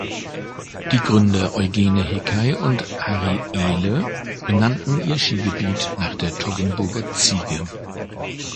Die Gründer Eugene Hickey und Harry Ehle benannten ihr Skigebiet nach der Toggenburger Ziege.